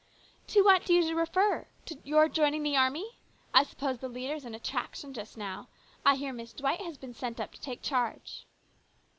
" To what do you refer ? To your joining the army ? I suppose the leader is an attraction just now. I hear Miss Dwight has been sent up to take charge."